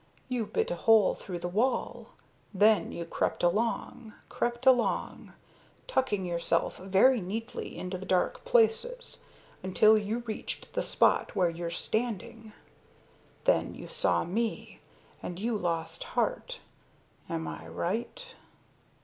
You bit a hole through the wall, then you crept along crept along tucking yourself very neatly into the dark places until you reached the spot where you're standing. Then you saw me, and you lost heart. Am I right?"